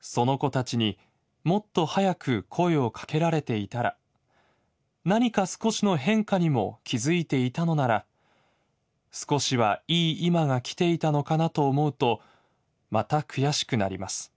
その子たちにもっと早く声をかけられていたら何か少しの変化にも気づいていたのなら少しはいい今が来ていたのかなと思うとまた悔しくなります。